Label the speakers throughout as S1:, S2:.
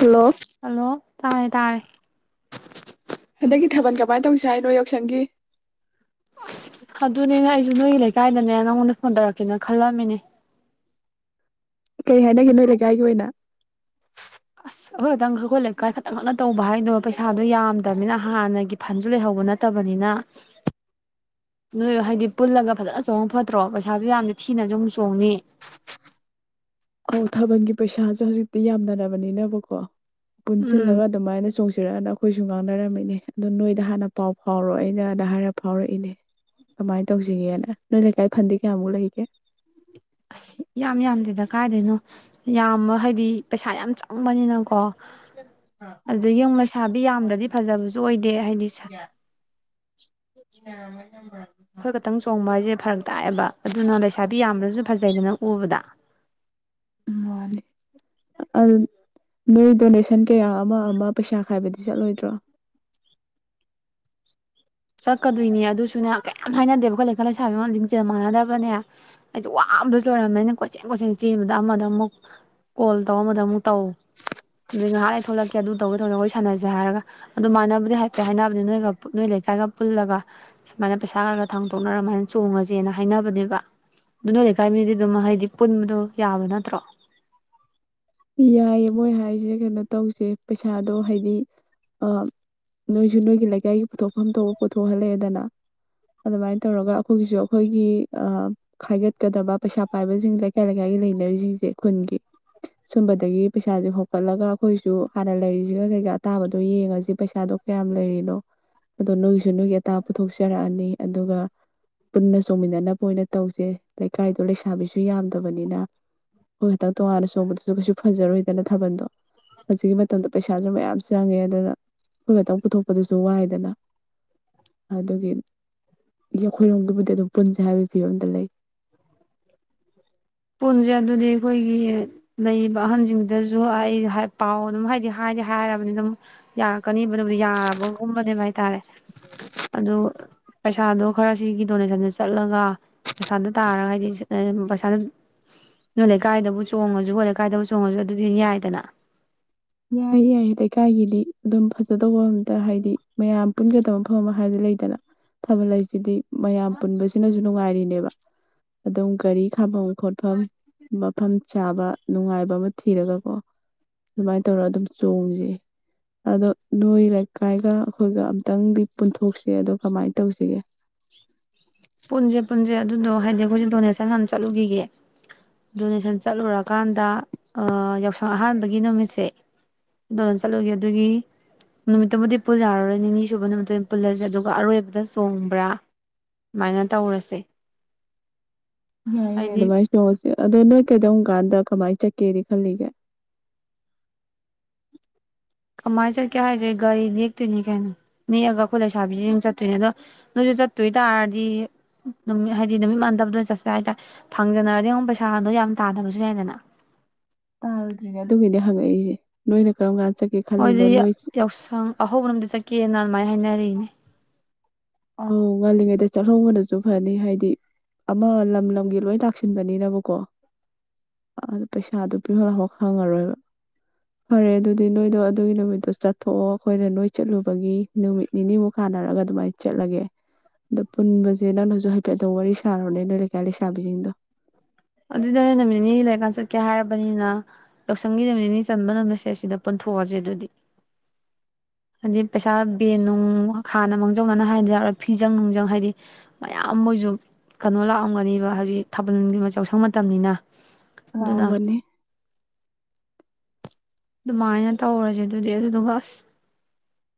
S1: hello
S2: hello ꯇꯥꯔꯦ ꯇꯥꯔꯦ
S1: ꯍꯟꯗꯛꯀꯤ ꯊꯥꯕꯜ ꯀꯃꯥꯏꯅ ꯇꯧꯁꯤ ꯍꯥꯏꯅꯣ ꯌꯥꯎꯁꯪꯒꯤ
S2: ꯑꯁ ꯑꯗꯨꯅꯤꯅꯦ ꯑꯩꯁꯨ ꯅꯣꯏꯒꯤ ꯂꯩꯀꯥꯏꯗꯅꯦ ꯅꯪꯉꯣꯟꯗ ꯐꯣꯟ ꯇꯧꯔꯛꯀꯦꯅ ꯈꯜꯂꯝꯃꯤꯅꯦ
S1: ꯀꯩ ꯍꯥꯏꯅꯒꯦ ꯅꯣꯏ ꯂꯩꯀꯥꯏꯒꯤ ꯑꯣꯏꯅ
S2: ꯑꯁ ꯑꯩꯈ ꯈꯛꯇꯪ ꯑꯩꯈꯣꯏ ꯂꯩꯀꯥꯏ ꯈꯛꯇꯪ ꯉꯅ ꯇꯧꯕ ꯍꯥꯏꯗꯕ ꯄꯩꯁꯥꯗꯣ ꯌꯥꯝꯗꯕꯅꯤꯅ ꯍꯥꯟꯅꯒꯤ ꯐꯟꯁꯨ ꯂꯩꯍꯧꯕ ꯅꯠꯇꯕꯅꯤꯅ ꯅꯣꯏ ꯍꯥꯏꯗꯤ ꯄꯨꯜꯂꯒ ꯐꯖꯅ ꯆꯣꯡꯕ ꯐꯠꯇ꯭ꯔꯣ ꯄꯩꯁꯥꯁꯨ ꯌꯥꯝꯗꯤ ꯊꯤꯅꯁꯨ ꯑꯃꯨꯛ ꯆꯣꯡꯉꯅꯤ
S1: ꯑꯧ ꯊꯥꯕꯜꯒꯤ ꯄꯩꯁꯥꯁꯨ ꯍꯧꯖꯤꯛꯇꯤ ꯌꯥꯝꯅꯔꯕꯅꯤꯅꯕꯀꯣ
S2: ꯎꯝ
S1: ꯄꯨꯟꯁꯤꯜꯂꯒ ꯑꯗꯨꯃꯥꯏꯅ ꯆꯣꯡꯁꯤ ꯄꯤꯔꯛꯑꯅ ꯑꯩꯈꯣꯏꯁꯨ ꯉꯥꯡꯅꯔꯝꯃꯤꯅꯦ ꯑꯗꯨ ꯅꯣꯏꯗ ꯍꯥꯟꯅ ꯄꯥꯎ ꯐꯥꯎꯔꯣ ꯑꯩꯅꯗ ꯍꯥꯏꯔ ꯐꯥꯎꯔꯛꯏꯅꯦ ꯀꯃꯥꯏꯅ ꯇꯧꯁꯤꯒꯦꯅ ꯅꯣꯏ ꯂꯩꯀꯥꯏ ꯐꯟꯗꯤ ꯀꯌꯥꯃꯨꯛ ꯂꯩꯒꯦ
S2: ꯑꯁ ꯌꯥꯝ ꯌꯥꯝꯗꯦꯗ ꯀꯥꯏꯗꯣꯏꯅꯣ ꯌꯥꯝꯕ ꯍꯥꯏꯗꯤ ꯄꯩꯁꯥ ꯌꯥꯝ ꯆꯪꯕꯅꯤꯅꯀꯣ ꯑꯗꯨ [unintelligible] ꯁꯥꯕꯤ ꯌꯥꯝꯗ꯭ꯔꯗꯤ ꯐꯖꯕꯁꯨ ꯑꯣꯏꯗꯦ ꯗꯦ ꯍꯥꯏꯅꯤ ꯁꯥ
S1: [unintelligible]
S2: ꯑꯩꯈꯣꯏ ꯈꯛꯇꯪ ꯆꯣꯡꯕ ꯍꯥꯏꯁꯦ ꯊꯪ ꯇꯥꯛꯑꯕ ꯑꯗꯨꯅ ꯂꯩꯁꯥꯕꯤ ꯌꯥꯝꯕ꯭ꯔꯁꯨ ꯐꯖꯩꯗ ꯅꯪ ꯎꯕꯗ
S1: ꯎ ꯋꯥꯅꯤ ꯅꯣꯏ ꯗꯣꯅꯦꯁꯟ ꯀꯌꯥ ꯑꯃ ꯑꯃ ꯄꯩꯁꯥ ꯈꯥꯏꯕꯗꯤ ꯆꯠꯂꯣꯏꯗ꯭ꯔꯣ
S2: ꯆꯠꯀꯗꯣꯏꯅꯦ ꯑꯗꯨꯁꯨꯅ ꯀꯌꯥꯝ ꯍꯥꯏꯅꯗꯦꯕ ꯑꯩꯈꯣꯏ ꯂꯩꯀꯥ ꯂꯩꯁꯥꯕꯤ ꯑꯃ ꯂꯤꯡꯁꯦꯜ ꯃꯥꯟꯅꯗꯕꯅꯦ ꯑꯩꯁꯨ ꯋꯥꯡꯕꯗꯁꯨ ꯂꯣꯏꯔꯝꯃꯦꯅ ꯀꯣꯏꯆꯦꯟ ꯀꯣꯏꯆꯦꯟ ꯆꯦꯟꯕꯗ ꯑꯃꯗ ꯑꯃꯨꯛ ꯀꯣꯜ ꯇꯧꯔꯝꯗ ꯑꯃꯨꯛ ꯇꯧ ꯑꯩ ꯉꯥꯏꯍꯥꯛ ꯑꯩ ꯊꯣꯛꯂꯛꯀꯦ ꯑꯗꯨ ꯇꯧꯒꯦ ꯇꯧꯔꯅ ꯑꯩꯈꯣꯏ ꯁꯥꯟꯅꯁꯦ ꯍꯥꯏꯔꯒ ꯑꯗꯨ ꯃꯥꯟꯅꯕꯗꯤ ꯍꯥꯏꯐꯦꯠ ꯍꯥꯏꯅꯕꯅꯦ ꯅꯣꯏꯒ ꯅꯣꯏ ꯂꯩꯀꯥꯏꯒ ꯄꯨꯜꯂꯒ ꯁꯨꯃꯥꯏꯅ ꯄꯩꯁꯥ ꯈꯔ ꯈꯔ ꯊꯥꯡꯗꯣꯛꯅꯔ ꯑꯗꯨꯃꯥꯏꯅ ꯆꯣꯡꯉꯁꯦꯅ ꯍꯥꯏꯅꯕꯅꯦꯕ ꯑꯗꯨꯅ ꯂꯩꯀꯥꯏ ꯃꯤꯗꯤ ꯑꯗꯨꯝ ꯍꯥꯏꯩꯗꯤ ꯄꯨꯟꯕꯗꯣ ꯌꯥꯕ ꯅꯠꯇ꯭ꯔꯣ
S1: ꯏꯏꯌꯦ ꯃꯣꯏ ꯍꯥꯏ ꯑꯩꯁꯦ ꯀꯩꯅꯣ ꯇꯧꯁꯦ ꯄꯩꯁꯥꯗꯣ ꯍꯥꯏꯗꯤ ꯑ ꯅꯣꯏꯁꯨ ꯅꯣꯏꯒꯤ ꯂꯩꯀꯥꯏꯒꯤ ꯄꯨꯊꯣꯛꯐꯝ ꯊꯣꯛꯄ ꯄꯨꯊꯣꯛꯍꯜꯂꯦꯗꯅ ꯑꯗꯨꯃꯥꯏꯅ ꯇꯧꯔꯒ ꯑꯩꯈꯣꯏꯒꯤꯁꯨ ꯑꯩꯈꯣꯏꯒꯤ ꯑ ꯈꯥꯏꯒꯠꯀꯗꯕ ꯄꯩꯁꯥ ꯄꯥꯏꯕꯁꯤꯡ ꯂꯩꯀꯥꯏ ꯂꯩꯀꯥꯏꯒꯤ ꯂꯩꯅꯔꯤꯁꯤꯡꯁꯦ ꯈꯨꯟꯒꯤ ꯁꯨꯝꯕꯗꯒꯤ ꯄꯩꯁꯥꯁꯦ ꯍꯧꯣꯀꯠꯂꯒ ꯑꯩꯈꯣꯏꯁꯨ ꯍꯥꯟꯅ ꯂꯩꯔꯤꯁꯤꯒ ꯀꯩꯀꯥ ꯑꯇꯥꯕꯗꯣ ꯌꯦꯡꯉꯁꯤ ꯄꯩꯁꯥꯗꯣ ꯀꯌꯥꯝ ꯂꯩꯔꯤꯅꯣ ꯑꯗꯣ ꯅꯣꯏꯒꯤꯁꯨ ꯅꯣꯏꯒꯤ ꯑꯥ ꯄꯨꯊꯣꯛꯆꯔꯛꯑꯅꯤ ꯑꯗꯨꯒ ꯄꯨꯟꯅ ꯆꯣꯡꯃꯤꯟꯅꯅꯕ ꯑꯣꯏꯅ ꯇꯧꯁꯦ ꯂꯩꯀꯥꯏꯗꯣ ꯂꯩꯁꯥꯕꯤꯁꯨ ꯌꯥꯝꯗꯕꯅꯤꯅ ꯍꯈꯣꯏ ꯈꯤꯇꯪ ꯇꯣꯉꯥꯟꯅ ꯆꯣꯡꯕꯗ ꯀꯩꯁꯨ ꯐꯖꯔꯣꯏꯗꯅ ꯊꯥꯕꯜꯗꯣ ꯍꯧꯖꯤꯛꯀꯤ ꯃꯇꯝꯗ ꯄꯩꯁꯥꯁꯨ ꯃꯌꯥꯝ ꯆꯪꯉꯦ ꯑꯗꯨꯅ ꯑꯩꯈꯣꯏ ꯈꯛꯇꯪ ꯄꯨꯊꯣꯛꯄꯗꯨꯁꯨ ꯋꯥꯏꯗꯅ ꯑꯗꯨꯒꯤ ꯑꯩꯈꯣꯏꯔꯣꯝꯒꯤꯕꯨꯗꯤ ꯑꯗꯨꯝ ꯄꯨꯟꯁꯦ ꯍꯥꯏꯕꯒꯤ ꯐꯤꯕꯝꯗ ꯂꯩ
S2: ꯄꯨꯟꯁꯦ ꯑꯗꯨꯗꯤ ꯑꯩꯈꯣꯏꯒꯤ ꯂꯩꯔꯤꯕ ꯑꯍꯟꯁꯤꯡꯗꯨꯗꯁꯨ ꯑꯩ ꯄꯥꯎ ꯑꯗꯨꯝ ꯍꯥꯏꯗꯤ ꯍꯥꯏꯗꯤ ꯍꯥꯏꯔꯕꯅꯤ ꯑꯗꯨꯝ ꯌꯥꯔꯛꯀꯅꯤꯕ ꯑꯗꯨꯕꯨꯗꯤ ꯌꯥꯔꯕꯒꯨꯝꯕꯅꯦꯕ ꯍꯥꯏ ꯇꯔꯦ ꯑꯗꯨ ꯄꯩꯁꯥꯗꯣ ꯈꯔ ꯁꯤꯒꯤ ꯗꯣꯅꯦꯁꯟꯗ ꯆꯠꯂꯒ ꯄꯩꯁꯥꯗ ꯇꯥꯔꯒ ꯍꯥꯏꯗꯤ ꯄꯩꯁꯥꯗꯨ ꯅꯣꯏ ꯂꯩꯀꯥꯏꯗꯕꯨ ꯆꯣꯡꯉꯁꯨ ꯑꯩꯈꯣꯏꯠ ꯂꯩꯀꯥꯏꯗꯕꯨ ꯆꯣꯡꯉꯁꯨ ꯑꯗꯨꯗꯤ ꯌꯥꯏꯗꯅ
S1: ꯌꯥꯏ ꯌꯥꯏ ꯂꯩꯀꯥꯏꯒꯤꯗꯤ ꯑꯗꯨꯝ ꯐꯖꯗꯧꯕ ꯑꯝꯇ ꯍꯥꯏꯗꯤ ꯃꯌꯥꯝ ꯄꯨꯟꯒꯗꯕ ꯃꯐꯝ ꯑꯃ ꯍꯥꯏꯕꯗꯤ ꯂꯩꯗꯅ ꯊꯥꯕꯜ ꯂꯩꯁꯤꯗꯤ ꯃꯌꯥꯝ ꯄꯨꯟꯕꯁꯤꯅꯁꯨ ꯅꯨꯡꯉꯥꯏꯔꯤꯅꯦꯕ ꯑꯗꯨꯝ ꯒꯥꯔꯤ ꯈꯥꯐꯝ ꯈꯣꯠꯐꯝ ꯃꯐꯝ ꯆꯥꯕ ꯅꯨꯡꯉꯥꯏꯕ ꯑꯃ ꯊꯤꯔꯒꯀꯣ ꯑꯗꯨꯃꯥꯏꯅ ꯇꯧꯔꯒ ꯑꯗꯨꯝ ꯆꯣꯡꯁꯤ ꯑꯗꯣ ꯅꯣꯏꯔꯀꯥꯏꯒ ꯑꯩꯈꯣꯏꯒ ꯑꯝꯇꯪꯗꯤ ꯄꯨꯟꯊꯣꯛꯁꯤ ꯑꯗꯣ ꯀꯃꯥꯏꯅ ꯇꯧꯁꯤꯒꯦ
S2: ꯄꯨꯟꯁꯦ ꯄꯨꯟꯁꯦ ꯑꯗꯨꯗꯣ ꯍꯥꯏꯗꯤ ꯑꯩꯈꯣꯏꯁꯦ ꯗꯣꯅꯦꯁꯟ ꯌꯥꯝ ꯆꯠꯂꯨꯈꯤꯒꯦ ꯗꯣꯅꯦꯁꯟ ꯆꯠꯂꯨꯔꯀꯥꯟꯗ ꯌꯥꯎꯁꯪ ꯑꯍꯥꯟꯕꯒꯤ ꯅꯨꯃꯤꯠꯁꯦ ꯗꯣꯅꯦꯁꯟ ꯆꯠꯂꯨꯒꯦ ꯑꯗꯨꯒꯤ ꯅꯨꯃꯤꯠꯇꯨꯕꯨꯗꯤ ꯄꯨꯜ ꯌꯥꯔꯔꯣꯏ ꯅꯤꯅꯤ ꯁꯨꯕ ꯅꯨꯃꯤꯠꯇꯨ ꯑꯣꯏꯅ ꯄꯨꯜꯂꯁꯦ ꯑꯗꯨꯒ ꯑꯔꯣꯏꯕꯗ ꯆꯣꯡꯕ꯭ꯔꯥ ꯁꯨꯃꯥꯏꯅ ꯇꯧꯔꯁꯦ
S1: [unintelligible]
S2: ꯍꯥꯏꯗꯤ
S1: [unintelligible] ꯑꯗꯣ ꯅꯣꯏ ꯀꯩꯗꯧ ꯀꯥꯟꯗ ꯀꯃꯥꯏꯅ ꯆꯠꯀꯦꯗꯤ ꯈꯜꯂꯤꯒꯦ
S2: ꯀꯃꯥꯏꯅ ꯆꯠꯀꯦ ꯍꯥꯏꯁꯦ ꯒꯥꯔꯤ ꯅꯦꯛꯇꯣꯏꯅꯤ ꯀꯅꯣ ꯅꯦꯛꯑꯒ ꯑꯩꯈꯣꯏ ꯂꯩꯁꯥꯕꯤꯁꯤ ꯆꯠꯇꯣꯏꯅꯦ ꯑꯗꯣ ꯅꯣꯏꯁꯨ ꯆꯠꯇꯣꯏ ꯇꯥꯔꯗꯤꯃꯤꯠ ꯍꯥꯏꯗꯤ ꯅꯨꯃꯤꯠ ꯃꯥꯟꯗꯕꯗ ꯑꯣꯏꯅ ꯆꯠꯁꯦ ꯍꯥꯏꯇꯥꯔꯦ ꯐꯪꯖꯅꯔꯗꯤ ꯑꯩꯉꯛ ꯄꯩꯁꯥꯗꯣ ꯌꯥꯝ ꯇꯥꯗꯕꯁꯨ ꯌꯥꯏꯗꯅ
S1: ꯇꯥꯔꯨꯗ꯭ꯔꯤꯅꯦ ꯑꯗꯨꯒꯤꯗꯤ ꯍꯪꯉꯛꯏꯁꯦ ꯅꯣꯏꯅ ꯀꯔꯝ ꯀꯥꯟꯗ ꯆꯠꯀꯦ ꯈꯜꯂꯤꯅꯣ
S2: ꯃꯣꯏꯗꯤ
S1: ꯅꯣꯏ
S2: ꯌꯥꯎꯁꯪ ꯑꯍꯧꯕꯅꯣꯝꯗ ꯆꯠꯀꯦꯅ ꯀꯃꯥꯏꯅ ꯍꯥꯏꯅꯔꯤꯛꯏꯅꯦ
S1: ꯑ ꯉꯜꯂꯤꯉꯩꯗ ꯆꯠꯍꯧꯕꯗꯁꯨ ꯐꯅꯤ ꯍꯥꯏꯗꯤ ꯑꯃ ꯂꯝ ꯂꯝꯒꯤ ꯂꯣꯏ ꯂꯥꯛꯁꯤꯟꯕꯅꯤꯅꯕꯀꯣ ꯑꯗꯨ ꯄꯩꯁꯥꯗꯨ ꯄꯤꯍꯂꯐ ꯈꯪꯉꯔꯣꯏꯕ ꯐꯔꯦ ꯑꯗꯨꯗꯤ ꯅꯣꯏꯗꯣ ꯑꯗꯨꯒꯤ ꯅꯨꯃꯤꯠꯇꯣ ꯆꯠꯊꯣꯛꯑꯣ ꯑꯩꯈꯣꯏꯅ ꯅꯣꯏ ꯆꯠꯂꯨꯕꯒꯤ ꯅꯨꯃꯤꯠ ꯅꯤꯅꯤꯃꯨꯛ ꯀꯥꯟꯅꯔꯒ ꯑꯗꯨꯃꯥꯏꯅ ꯆꯠꯂꯒꯦ ꯑꯗꯣ ꯄꯨꯟꯕꯁꯦ ꯅꯪꯅꯁꯨ ꯍꯥꯏꯐꯦꯠꯇ ꯋꯥꯔꯤ ꯁꯥꯔꯣꯅꯦ ꯅꯣꯏ ꯂꯩꯀꯥꯏ ꯂꯩꯁꯥꯕꯤꯖꯤꯡꯗꯣ
S2: ꯑꯗꯨꯗꯅꯦ ꯅꯨꯃꯤꯠ ꯅꯤꯅꯤ ꯂꯩꯔꯀꯥꯟ ꯆꯠꯀꯦ ꯍꯥꯏꯔꯕꯅꯤꯅ ꯌꯥꯎꯁꯪꯒꯤ ꯅꯨꯃꯤꯠ ꯅꯤꯅꯤ ꯆꯟꯕ ꯅꯨꯃꯤꯠꯁꯦ ꯑꯁꯤꯗ ꯄꯨꯟꯊꯣꯛꯑꯁꯦ ꯑꯗꯨꯗꯤ ꯍꯥꯏꯗꯤ ꯄꯩꯁꯥ ꯕꯦꯟ ꯅꯨꯡ ꯍꯥꯟꯅ ꯃꯥꯡꯖꯧꯅꯅ ꯍꯥꯏꯗ ꯌꯥꯎꯔ ꯐꯤꯖꯪ ꯅꯨꯡꯖꯪ ꯍꯥꯏꯗꯤ ꯃꯌꯥꯝ ꯃꯣꯏꯁꯨ ꯀꯩꯅꯣ ꯂꯥꯛꯑꯝꯒꯅꯦꯕ ꯍꯧꯖꯤꯛ ꯊꯥꯕꯜꯒꯤ ꯌꯥꯎꯁꯪ ꯃꯇꯝꯅꯤꯅ ꯑꯗꯨꯅ
S1: [unintelligible]
S2: ꯑꯗꯨꯃꯥꯏꯅ ꯇꯧꯔꯁꯦ ꯑꯗꯨꯗꯤ ꯑꯗꯨꯗꯨꯒ ꯑꯁ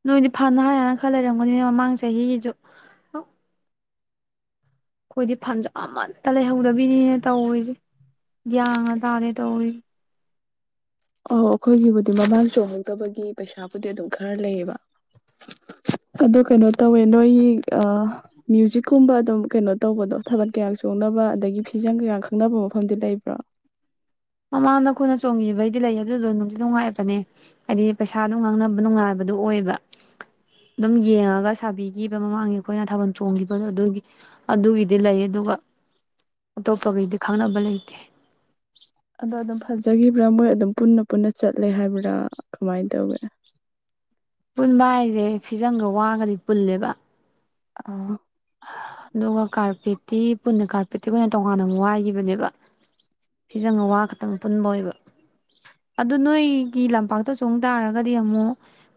S2: ꯅꯣꯏꯗꯤ ꯐꯅ ꯍꯥꯏꯌꯦꯅ ꯈꯔ ꯂꯩꯔꯝꯒꯅꯤꯅꯦ ꯃꯃꯥꯡ ꯆꯍꯤꯒꯤꯁꯨ ꯑꯩꯈꯣꯏꯗꯤ ꯐꯟꯁꯨ ꯑꯃꯠꯇ ꯂꯩꯍꯧꯗꯕꯤꯅꯤꯅꯦ ꯇꯧꯔꯤꯁꯦ ꯒ꯭ꯌꯥꯟꯒ ꯇꯥꯗꯦ ꯇꯧꯔꯤꯁꯦ
S1: ꯑꯣ ꯑꯩꯈꯣꯏꯒꯤꯕꯨꯗꯤ ꯃꯃꯥꯡ ꯆꯣꯡꯍꯧꯗꯕꯒꯤ ꯄꯩꯁꯥꯕꯨꯗꯤ ꯑꯗꯨꯝ ꯈꯔ ꯂꯩꯌꯦꯕ ꯑꯗꯣ ꯀꯩꯅꯣ ꯇꯧꯋꯦ ꯅꯣꯏ ꯃ꯭ꯌꯨꯖꯤꯛꯀꯨꯝꯕ ꯑꯗꯨꯝ ꯀꯩꯅꯣ ꯇꯧꯕꯗꯣ ꯊꯥꯕꯜ ꯀꯌꯥ ꯆꯣꯡꯅꯕ ꯑꯗꯒꯤ ꯐꯤꯖꯪ ꯀꯌꯥ ꯈꯪꯅꯕ ꯃꯐꯝꯗꯤ ꯂꯩꯕ꯭ꯔꯣ
S2: ꯃꯃꯥꯡꯗ ꯑꯩꯈꯣꯏꯅ ꯆꯣꯡꯈꯤꯕꯩꯗꯤ ꯂꯩ ꯑꯗꯨꯗꯣ ꯅꯨꯡꯗꯤ ꯅꯨꯡꯉꯥꯏꯕꯅꯦ ꯍꯥꯏꯗꯤ ꯄꯩꯁꯥꯗꯨ ꯉꯥꯡꯅꯕ ꯅꯨꯡꯉꯥꯏꯕꯗꯨ ꯑꯣꯏꯕ ꯑꯗꯨꯝ ꯌꯦꯡꯉꯒ ꯁꯥꯕꯤꯈꯤꯕ ꯃꯃꯥꯡꯒꯤ ꯑꯩꯈꯣꯏꯅ ꯊꯥꯕꯜ ꯆꯣꯡꯈꯤꯕꯗꯣ ꯑꯗꯨꯒꯤ ꯑꯗꯨꯒꯤꯗꯤ ꯂꯩ ꯑꯗꯨꯒ ꯑꯇꯣꯞꯄꯈꯩꯗꯤ ꯈꯪꯅꯕ ꯂꯩꯇꯦ
S1: ꯑꯗꯣ ꯑꯗꯨꯝ ꯐꯖꯈꯤꯕ꯭ꯔꯥ ꯃꯣꯏ ꯑꯗꯨꯝ ꯄꯨꯟꯅ ꯄꯨꯟꯅ ꯆꯠꯂꯦ ꯍꯥꯏꯕ꯭ꯔꯥ ꯀꯃꯥꯏꯅ ꯇꯧꯒꯦ
S2: ꯄꯨꯟꯕ ꯍꯥꯏꯁꯦ ꯐꯤꯖꯪꯒ ꯋꯥꯒꯗꯤ ꯄꯨꯜꯂꯦꯕ
S1: ꯑꯥ
S2: ꯑꯗꯨꯒ ꯀꯥꯔꯄꯦꯠꯇꯤ ꯄꯨꯟꯅ ꯀꯥꯔꯄꯦꯠꯇꯤ ꯑꯩꯈꯣꯏꯅ ꯇꯣꯡꯉꯥꯟꯅ ꯑꯃꯨꯛ ꯋꯥꯏꯈꯤꯕꯅꯦꯕ ꯐꯤꯖꯪꯒ ꯋꯥ ꯈꯛꯇꯪ ꯄꯨꯟꯕ ꯑꯣꯏꯕ ꯑꯗꯨ ꯅꯣꯏꯒꯤ ꯂꯝꯄꯥꯛꯇ ꯆꯣꯡ ꯇꯥꯔꯒꯗꯤ ꯑꯃꯨꯛ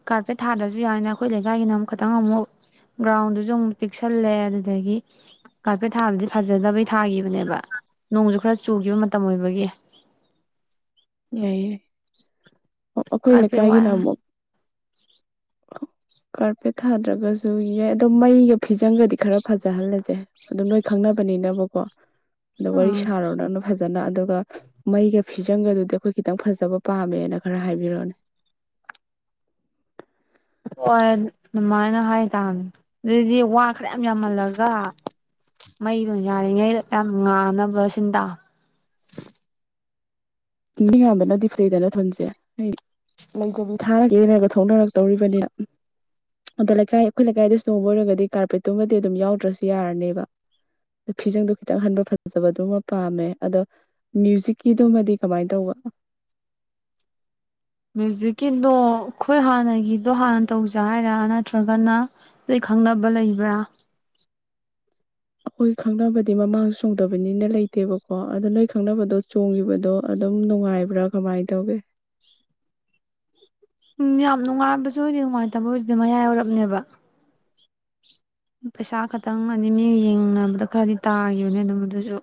S2: ꯀꯥꯔꯄꯦꯠ ꯊꯥꯗ꯭ꯔꯁꯨ ꯌꯥꯏꯅꯦ ꯑꯩꯈꯣꯏ ꯂꯩꯀꯥꯏꯒꯤꯅ ꯑꯃꯨꯛ ꯇꯪ ꯑꯃꯨꯛ ꯒ꯭ꯔꯥꯎꯟꯗꯨꯁꯨ ꯑꯃꯨꯛ ꯄꯤꯛ ꯁꯜꯂꯦ ꯑꯗꯨꯗꯒꯤ ꯀꯥꯔꯄꯦꯠ ꯊꯥꯗꯗꯤ ꯐꯖꯗꯕꯩ ꯊꯥꯒꯤꯈꯤꯕꯅꯦꯕ ꯅꯣꯡꯁꯨ ꯈꯔ ꯆꯨꯈꯤꯕ [unintelligible]
S1: [unintelligible] ꯑꯣ ꯑꯩꯈꯣꯏ
S2: ꯀꯥꯔꯄꯦꯠ
S1: ꯂꯩꯀꯥꯏꯒꯤꯅ
S2: ꯋꯥꯏ
S1: ꯑꯃꯨꯛ ꯀꯥꯔꯄꯦꯠ ꯊꯥꯗ꯭ꯔꯒꯁꯨ ꯌꯥꯏ ꯑꯗꯨ ꯃꯩꯒ ꯐꯤꯖꯪꯒꯗꯤ ꯈꯔ ꯐꯖꯍꯜꯂꯁꯦ ꯑꯗꯨ ꯅꯣꯏ ꯈꯪꯅꯕꯅꯤꯅꯕꯀꯣ ꯑꯗꯨ ꯋꯥꯔꯤ
S2: ꯑꯥ
S1: ꯁꯥꯔꯣ ꯐꯖ ꯐꯖꯅ ꯑꯗꯨꯒ ꯃꯩꯒ ꯐꯤꯖꯪꯒꯗꯨꯗꯤ ꯑꯩꯈꯣꯏ ꯈꯤꯇꯪ ꯐꯖꯕ ꯄꯥꯝꯃꯦꯅ ꯈꯔ ꯍꯥꯏꯕꯤꯔꯣꯅꯦ
S2: ꯍꯣꯏ [unintelligible] ꯑꯗꯨꯗꯤ ꯋꯥ ꯈꯔ ꯌꯥꯝ ꯌꯥꯝꯍꯜꯂꯒ ꯃꯩꯗꯣ ꯌꯥꯔꯤꯉꯩꯗ ꯌꯥꯝ ꯉꯥꯅꯕ ꯁꯤꯟ
S1: ꯃꯤ ꯌꯥꯝꯕꯅꯗꯤ ꯐꯩꯗꯅ [unintelligible] [unintelligible] ꯊꯥꯔꯒ ꯌꯦꯉꯒ ꯊꯣꯛꯅꯔꯛꯇꯧꯔꯤꯕꯅꯤꯅ ꯑꯗ ꯂꯩꯀꯥꯏ ꯑꯩꯈꯣꯏ ꯂꯩꯀꯥꯏꯗꯁꯨ ꯅꯣꯡꯕ ꯑꯣꯏꯔꯒꯗꯤ ꯀꯥꯔꯄꯦꯠꯇꯨꯃꯗꯤ ꯑꯗꯨꯝ ꯌꯥꯎꯗ꯭ꯔꯁꯨ ꯌꯥꯔꯅꯦꯕ ꯑ ꯐꯤꯖꯪꯗꯣ ꯈꯤꯇꯪ ꯍꯟꯕ ꯐꯖꯕꯗꯨꯃ ꯄꯥꯝꯃꯦ ꯑꯗꯣ ꯃ꯭ꯌꯨꯖꯤꯛꯀꯤꯗꯨꯃꯗꯤ ꯀꯃꯥꯏꯅ ꯇꯧꯕ
S2: ꯃ꯭ꯌꯨꯖꯤꯛꯀꯤꯗꯣ ꯑꯩꯈꯣꯏ ꯍꯥꯟꯅꯒꯤꯗꯣ ꯍꯥꯟꯅ ꯇꯧꯖ ꯍꯥꯏꯔꯥ ꯅꯠꯇ꯭ꯔꯒꯅ ꯂꯣꯏ ꯈꯪꯅꯕ ꯂꯩꯕ꯭ꯔꯥ
S1: ꯍꯣꯏ ꯈꯪꯅꯕꯗꯤ ꯃꯃꯥꯡꯁꯨ ꯆꯣꯡꯗꯕꯅꯤꯅ ꯂꯩꯇꯦꯕꯀꯣ ꯑꯗꯨꯗꯣ ꯅꯣꯏ ꯈꯪꯅꯕꯗꯣ ꯆꯣꯡꯈꯤꯕꯗꯣ ꯑꯗꯨꯝ ꯅꯨꯡꯉꯥꯏꯕ꯭ꯔꯥ ꯀꯃꯥꯏꯅ ꯇꯧꯒꯦ
S2: ꯎꯝ ꯌꯥꯝ ꯅꯨꯡꯉꯥꯏꯕꯁꯨ ꯑꯣꯏꯗꯦ ꯅꯨꯡꯉꯥꯏꯇꯕꯁꯨ ꯑꯣꯏꯗꯦ ꯃꯌꯥꯏ ꯑꯣꯏꯔꯞꯅꯦꯕꯥ ꯄꯩꯁꯥ ꯈꯛꯇꯪ ꯑ ꯃꯤꯒ ꯌꯦꯡꯅꯕꯗ ꯈꯔꯗꯤ ꯇꯥꯈꯤꯕꯅꯦ ꯑꯗꯨꯝ ꯑꯗꯨꯁꯨ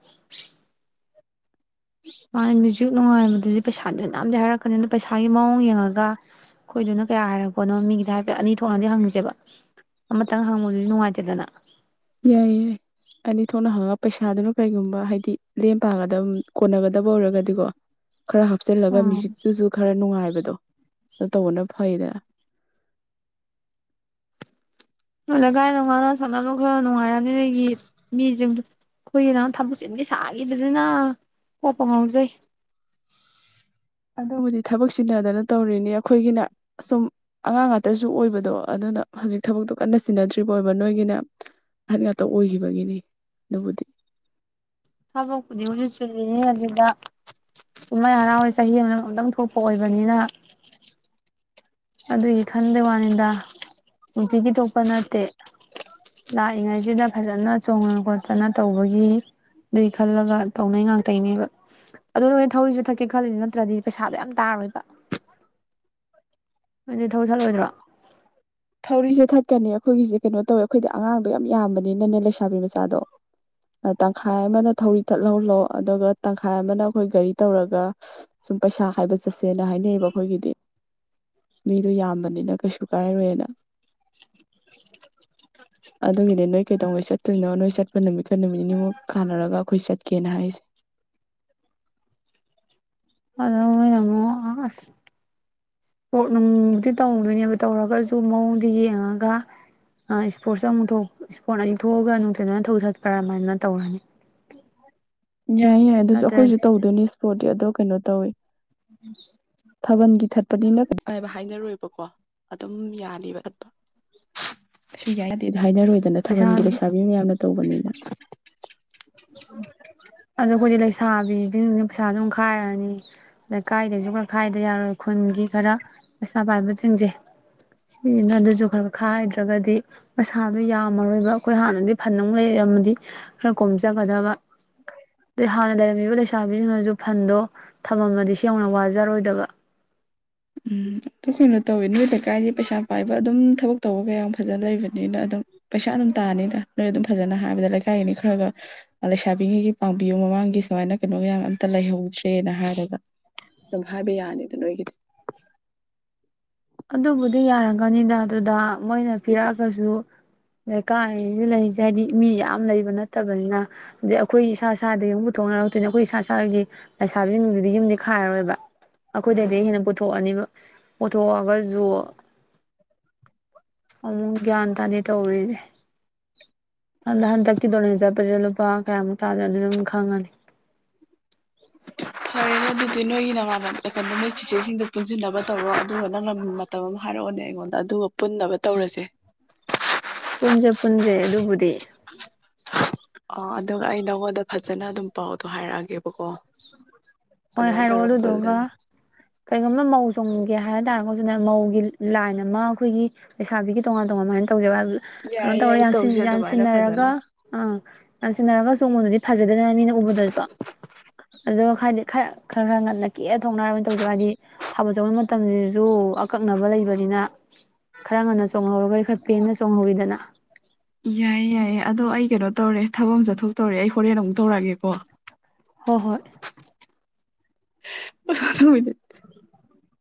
S2: ꯃꯥꯅꯦ ꯃ꯭ꯌꯨꯖꯤꯛ ꯅꯨꯡꯉꯥꯏꯕꯗꯨꯗꯤ ꯄꯩꯁꯥ ꯃꯌꯥꯝꯗꯤ ꯍꯥꯏꯔꯛꯀꯅꯤ ꯑꯗꯨꯗꯣ ꯄꯩꯁꯥꯒꯤ ꯃꯑꯣꯡ ꯌꯦꯡꯉꯒ ꯑꯩꯈꯣꯏꯗꯨꯅ ꯀꯌꯥ ꯍꯥꯏꯔꯛꯄꯅꯣ ꯃꯤꯒꯤꯗꯤ ꯍꯥꯏꯐꯦꯠ ꯑꯅꯤ ꯊꯣꯛꯅꯗꯤ ꯍꯪꯉꯁꯦꯕ ꯑꯃꯇꯪ ꯍꯪꯕꯗꯨꯗꯤ ꯅꯨꯡꯉꯥꯏꯇꯦꯗꯅ
S1: ꯌꯥꯏ ꯌꯥꯏ ꯑꯅꯤ ꯊꯣꯛꯅ ꯍꯪꯉ ꯄꯩꯁꯥꯗꯨꯅ ꯀꯩꯒꯨꯝꯕ ꯍꯥꯏꯗꯤ ꯂꯦꯝ ꯄꯥꯒꯗꯕ ꯀꯣꯟꯅꯒꯗꯕ ꯑꯣꯏꯔꯒꯗꯤꯀꯣ ꯈꯔ ꯍꯥꯞꯆꯤꯜꯂꯒ
S2: ꯎꯝ
S1: ꯃꯌꯨꯖꯤꯛꯇꯨꯁꯨ ꯈꯔ ꯅꯨꯡꯉꯥꯏꯕ ꯑꯗꯨ ꯇꯧꯕꯅ ꯐꯩꯗꯅ
S2: [unintelligible] [unintelligible] [unintelligible] ꯑꯩꯈꯣꯏꯒꯤ ꯊꯕꯛ ꯆꯤꯟꯕꯤ ꯁꯥꯈꯤꯕꯁꯤꯅ ꯀꯣꯛꯄꯨ ꯉꯥꯎꯖꯩ
S1: ꯑꯗꯨꯕꯨꯗꯤ ꯊꯕꯛ ꯆꯤꯟꯅꯗꯅ ꯇꯧꯔꯤꯅꯤ ꯑꯩꯈꯣꯏꯒꯤꯅ ꯑꯁꯨꯝ ꯑꯉꯥꯡ ꯉꯥꯛꯇꯁꯨ ꯑꯣꯏꯕꯗꯣ ꯑꯗꯨꯅ ꯍꯧꯖꯤꯛ ꯊꯕꯛꯇꯣ ꯀꯟꯅ ꯆꯤꯟꯅꯗ꯭ꯔꯤꯕ ꯑꯣꯏꯕ ꯅꯣꯏꯒꯤꯅ ꯑꯍꯟ ꯉꯥꯛꯇ ꯑꯣꯏꯈꯤꯕꯒꯤꯅꯤ ꯑꯗꯨꯕꯨꯗꯤ
S2: ꯊꯕꯛꯄꯨꯗꯤ [unintelligible] ꯆꯤꯜꯂꯤꯅꯤ ꯑꯗꯨꯗ ꯀꯨꯝꯍꯩ ꯍꯔꯥꯎꯦ ꯆꯍꯤ ꯑꯃꯗ ꯑꯃꯨꯛꯇꯪ ꯊꯣꯛꯄ ꯑꯣꯏꯕꯅꯤꯅ ꯑꯗꯨꯒꯤ ꯈꯟꯕꯩ ꯋꯥꯅꯤꯗ ꯅꯨꯡꯇꯤꯒꯤ ꯊꯣꯛꯄ ꯅꯠꯇꯦ ꯂꯥꯛꯏꯉꯩꯁꯤꯗ ꯐꯖꯅ ꯆꯣꯡꯅ ꯈꯣꯠꯇꯅ ꯇꯧꯕꯒꯤ ꯑꯗꯨꯒꯤ ꯈꯜꯂꯒ ꯇꯧꯅꯩ ꯉꯥꯛꯇꯅꯦꯕ ꯑꯗꯨ ꯅꯣꯏ ꯊꯧꯔꯤꯁꯨ ꯊꯛꯀꯦ ꯈꯜꯂꯤ ꯅꯠꯇ꯭ꯔꯗꯤ ꯄꯩꯁꯥꯗꯣ ꯌꯥꯝ ꯇꯥꯔꯣꯏꯕ [unintelligible] ꯊꯠꯂꯣꯏꯗ꯭ꯔꯥ
S1: ꯇꯧꯔꯤꯁꯦ ꯊꯠꯀꯅꯤ ꯑꯩꯈꯣꯏꯒꯤꯁꯦ ꯀꯩꯅꯣ ꯇꯧꯋꯦ ꯑꯩꯈꯣꯏꯗꯤ ꯑꯉꯥꯡꯗꯣ ꯌꯥꯝꯕꯅꯤꯅꯅꯦ ꯂꯩꯁꯥꯕꯤ ꯃꯆꯥꯗꯣ ꯇꯪꯈꯥꯏ ꯑꯃꯅ ꯊꯧꯔꯤ ꯇꯠꯍꯧꯂꯣ ꯑꯗꯨꯒ ꯇꯪꯈꯥꯏ ꯑꯃꯅ ꯑꯩꯈꯣꯏ ꯒꯥꯔꯤ ꯇꯧꯔꯒ ꯁꯨꯝ ꯄꯩꯁꯥ ꯍꯥꯏꯕ ꯆꯠꯁꯦꯅ ꯍꯥꯏꯅꯩꯌꯦꯕ ꯑꯩꯈꯣꯏꯒꯤꯗꯤ ꯃꯤꯗꯣ ꯌꯥꯝꯕꯅꯤꯅ ꯀꯩꯁꯨ ꯀꯥꯏꯔꯣꯏꯅ ꯑꯗꯨꯒꯤꯗꯤ ꯅꯣꯏ ꯀꯩ ꯇꯧꯉꯩꯆꯠ ꯆꯠꯇꯣꯏꯅꯣ ꯅꯣꯏ ꯆꯠꯄ ꯅꯨꯃꯤꯠ ꯅꯨꯃꯤꯠ ꯅꯤꯅꯤꯃꯨꯛ ꯀꯥꯟꯅꯔꯒ ꯑꯈꯣꯏ ꯆꯠ ꯀꯦꯅ ꯍꯥꯏꯁꯦ
S2: [unintelligible] ꯑꯁ ꯏꯁꯄꯣꯔꯠ ꯅꯨꯡꯕꯨꯗꯤ ꯇꯧꯗꯣꯏꯅꯦꯕ ꯇꯧꯔꯒꯖꯨ ꯃꯑꯣꯡꯗ ꯌꯦꯡꯉꯒ ꯏꯁꯄꯣꯔꯠꯁ ꯑꯃꯨꯛ ꯏꯁꯄꯣꯔꯠ ꯑꯅꯤ ꯊꯣꯛꯑꯒ ꯅꯨꯡꯊꯤꯜꯗꯅ ꯊꯧꯔꯤ ꯊꯠꯄ꯭ꯔꯥ ꯃꯥꯏꯅ ꯇꯧꯔꯅꯤ
S1: ꯌꯥꯏ ꯌꯥꯏ ꯑꯗꯨꯁꯨ ꯑꯩꯈꯣꯏꯁꯨ
S2: ꯅꯠꯇ꯭ꯔꯗꯤ
S1: ꯇꯧꯗꯣꯏꯅꯤ ꯏꯁꯄꯣꯔꯠ ꯑꯗꯣ ꯀꯩꯅꯣ ꯇꯧꯋꯦ ꯊꯥꯕꯜꯒꯤ ꯊꯠꯄꯅꯤꯅ ꯍꯥꯏꯅꯔꯣꯏꯕ ꯕꯀꯣ ꯑꯗꯨꯝ ꯌꯥꯅꯤꯕ ꯊꯠꯄ ꯌꯥ ꯍꯥꯏꯅꯔꯣꯏꯗꯅ
S2: ꯄꯩꯁꯥ
S1: ꯊꯥꯕꯜꯒꯤ ꯂꯩꯩꯁꯥꯕꯤ ꯃꯌꯥꯝꯅ ꯇꯧꯕꯅꯤꯅ
S2: ꯑꯗꯣ ꯑꯩꯈꯣꯏꯗꯤ ꯂꯩꯁꯥꯕꯤꯁꯤꯡꯅ ꯄꯩꯁꯥꯁꯨꯝ ꯈꯥꯏꯔꯅꯤ ꯂꯩꯀꯥꯏꯗꯒꯤꯁꯨ ꯈꯔ ꯈꯥꯏꯗ ꯌꯥꯔꯣꯏ ꯈꯨꯟꯒꯤ ꯈꯔ ꯄꯩꯁꯥ ꯄꯥꯏꯕꯁꯤꯡꯁꯦ ꯁꯤꯁꯤꯅ ꯑꯗꯨꯁꯨ ꯈꯔ ꯈꯥꯏꯗ꯭ꯔꯒꯗꯤ ꯄꯩꯁꯥꯗꯣ ꯌꯥꯝꯃꯔꯣꯏꯕ ꯑꯩꯈꯣꯏ ꯍꯥꯟꯅꯗꯤ ꯐꯟ ꯅꯨꯡ ꯂꯩꯔꯝꯃꯗꯤ ꯈꯔ ꯀꯣꯝ ꯖꯒꯗꯕ ꯑꯗꯩ ꯍꯥꯟꯅ ꯂꯩꯔꯝꯃꯤꯕ ꯂꯩꯁꯥꯕꯤꯁꯤꯡꯅꯁꯨ ꯐꯟꯗꯣ ꯊꯝꯃꯝꯃꯗꯤ ꯁꯤ ꯌꯧꯅ ꯋꯥꯖꯔꯣꯏꯗꯕ
S1: ꯎꯝ ꯇꯁꯦꯡꯅ ꯇꯧꯋꯦ ꯅꯣꯏ ꯂꯩꯀꯥꯏ ꯀꯥꯏꯗꯤ ꯄꯩꯁꯥ ꯄꯥꯏꯕ ꯑꯗꯨꯝ ꯊꯕꯛ ꯇꯧꯕꯒ ꯌꯥꯝ ꯐꯖꯅ ꯂꯩꯕꯅꯤꯅ ꯑꯗꯨꯝ ꯄꯩꯁꯥ ꯑꯗꯨꯝ ꯇꯥꯅꯤꯗ ꯅꯣꯏ ꯑꯗꯨꯝ ꯐꯖꯅ ꯍꯥꯏꯕꯗ ꯂꯩꯀꯥꯏꯒꯤꯅꯤ ꯈꯔꯒ ꯂꯩꯁꯥꯕꯤꯉꯩꯒꯤ ꯄꯥꯡꯕꯤꯌꯨ ꯃꯃꯥꯡꯒꯤ ꯁꯨꯃꯥꯏꯅ ꯀꯩꯅꯣ ꯃꯌꯥꯝ ꯑꯝꯇ ꯂꯩꯍꯧꯗ꯭ꯔꯦꯅ ꯍꯥꯏꯔꯒ ꯑꯗꯨꯝ ꯍꯥꯏꯕ ꯌꯥꯅꯤꯗ ꯅꯣꯏꯒꯤꯗꯤ
S2: ꯑꯗꯨꯕꯨꯗꯤ ꯌꯥꯔꯒꯅꯤꯗ ꯑꯗꯨꯗ ꯃꯣꯏꯅ ꯄꯤꯔꯛꯑꯒꯁꯨ ꯂꯩꯀꯥꯏꯖꯤꯗ ꯂꯩꯔꯤꯖꯦ ꯍꯥꯏꯗꯤ ꯃꯤ ꯌꯥꯝ ꯂꯩꯕ ꯅꯠꯇꯕꯅꯤꯅ ꯑꯗꯩ ꯑꯩꯈꯣꯏ ꯏꯁꯥ ꯏꯁꯥꯗꯒꯤ ꯑꯃ ꯄꯨꯊꯣꯛꯅꯔꯛꯇꯣꯏꯅꯤ ꯑꯩꯈꯣꯏ ꯏꯁꯥ ꯏꯁꯥꯒꯤꯗꯤ ꯂꯩꯁꯥꯕꯤꯁꯤꯡꯗꯨꯗꯤ ꯌꯨꯝꯗꯤ ꯈꯥꯏꯔꯔꯣꯏꯕ ꯑꯩꯈꯣꯏꯗꯗꯒꯤ ꯍꯦꯟꯅ ꯄꯨꯊꯣꯛꯑꯅꯤꯕ ꯖꯨ ꯑꯃꯨꯛ ꯒ꯭ꯌꯥꯟ ꯇꯥꯗꯦ ꯇꯧꯔꯤꯖꯦ ꯑꯗ ꯍꯟꯗꯛꯀꯤ ꯗꯣꯅꯦꯁꯟ ꯆꯠꯄꯁꯦ ꯂꯨꯄꯥ ꯀꯌꯥꯃꯨꯛ ꯇꯥꯅꯗꯣꯏꯅꯣ ꯑꯗꯨ ꯑꯗꯨꯝ ꯈꯪꯉꯅꯤ
S1: ꯐꯔꯦꯅ ꯑꯗꯨ ꯗꯤ ꯅꯣꯏꯒꯤꯅ ꯅꯣꯏ ꯆꯦꯆꯦ ꯖꯤꯡꯗꯨ ꯄꯨꯟꯁꯤꯟꯅꯕ ꯇꯧꯔꯣ ꯑꯗꯨꯒ ꯅꯪꯅ ꯃꯇꯝ ꯑꯃ ꯍꯥꯏꯔꯛꯑꯣꯅꯦ ꯑꯩꯉꯣꯟꯗ ꯑꯗꯨꯒ ꯄꯨꯟꯅꯕ ꯇꯧꯔꯁꯦ
S2: ꯄꯨꯟꯁꯦ ꯄꯨꯟꯁꯦ ꯑꯗꯨꯕꯨꯗꯤ
S1: ꯑ ꯑꯗꯨꯒ ꯑꯩ ꯅꯉꯣꯟꯗ ꯐꯖꯅ ꯑꯗꯨꯝ ꯄꯥꯎꯗꯣ ꯍꯥꯏꯔꯛꯑꯒꯦꯕꯀꯣ
S2: ꯍꯣꯏ
S1: ꯑꯗꯨꯃꯥꯏꯅ
S2: ꯍꯥꯏꯔꯛꯑꯣ
S1: ꯇꯧꯔ
S2: ꯑꯗꯨꯗꯨꯒ
S1: ꯄꯨꯜꯂꯁꯦ
S2: ꯀꯩꯒꯨꯝꯕꯅ ꯃꯧ ꯆꯣꯡꯒꯦ ꯍꯥꯏꯇꯥꯔ ꯖꯨꯅꯦ ꯃꯧꯒꯤ ꯂꯥꯏꯟ ꯑꯃ ꯑꯈꯣꯏꯒꯤ ꯂꯩꯁꯥꯕꯤꯒꯤ ꯇꯣꯉꯥꯟ ꯇꯣꯉꯥꯟ ꯇꯧꯖꯦꯕ
S1: ꯌꯥꯏ
S2: ꯇꯧꯔ
S1: ꯌꯥꯏ ꯇꯧꯁꯦ ꯑꯗꯨꯃꯥꯏꯅ
S2: ꯌꯥꯟꯁꯤꯟꯅꯔꯒ
S1: ꯐꯖꯅ
S2: ꯑꯥ ꯌꯥꯟꯁꯤꯟꯅꯔꯒ ꯆꯣꯡꯕꯗꯨꯗꯤ ꯐꯖꯩꯗꯅ ꯃꯤꯅ ꯎꯕꯗꯁꯨ ꯑꯗꯣ ꯍꯥꯏꯗꯤ ꯈꯔ ꯈꯔ ꯈꯔ ꯉꯟꯅ ꯀꯦ ꯊꯣꯛꯅꯅꯕ ꯑꯣꯏꯅ ꯇꯧꯖꯦꯕ ꯍꯥꯏꯗꯤ ꯊꯥꯕꯜ ꯆꯣꯡꯕ ꯃꯇꯝꯁꯤꯁꯨ ꯑꯀꯛꯅꯕ ꯂꯩꯕꯅꯤꯅ ꯈꯔ ꯉꯟꯅ ꯆꯣꯡꯍꯧꯔꯒꯗꯤ ꯈꯔ ꯄꯦꯟꯅ ꯆꯣꯡꯍꯧꯋꯤꯗꯅ
S1: ꯌꯥꯏꯌꯦ ꯌꯥꯏꯌꯦ ꯑꯗꯣ ꯑꯩ ꯀꯩꯅꯣ ꯇꯧꯔꯦ ꯊꯕꯛ ꯑꯃ ꯆꯠꯊꯣꯛꯇꯧꯔꯦ ꯑꯩ ꯍꯣꯔꯦꯟ ꯑꯃꯨꯛ ꯇꯧꯔꯛꯑꯒꯦꯀꯣ
S2: ꯍꯣꯏ ꯍꯣꯏ
S1: [unintelligible]